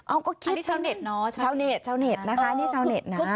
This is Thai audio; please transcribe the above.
อ้าวก็คิดก็นี่ชาวเน็ตนะคะนี่ชาวเน็ตนะ